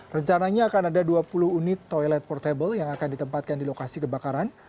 rencananya akan ada dua puluh unit toilet portable yang akan ditempatkan di lokasi kebakaran